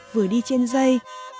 vừa đi trên dây